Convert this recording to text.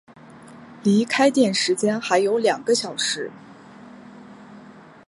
离开店时间还有两个小时